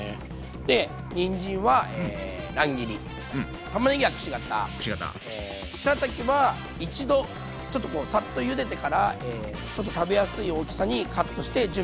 でにんじんは乱切りたまねぎはくし形しらたきは一度ちょっとこうサッとゆでてからちょっと食べやすい大きさにカットして準備しときます。